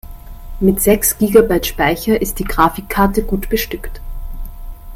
Mit sechs Gigabyte Speicher ist die Grafikkarte gut bestückt.